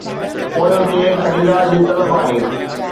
پوء اتي خريدار جي طلب آهي